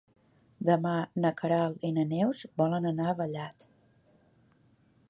Demà na Queralt i na Neus volen anar a Vallat.